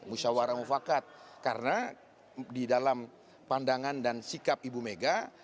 musyawarah mufakat karena di dalam pandangan dan sikap ibu mega